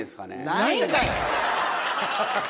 ないんかい。